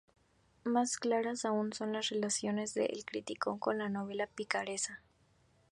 Más claras aún son las relaciones de "El Criticón" con la novela picaresca.